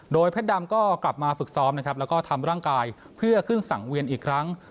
โดยเพชรดำก็กลับมาฝึกซ้อมนะครับแล้วก็ทำร่างกายเพื่อขึ้นสังเวียนอีกครั้ง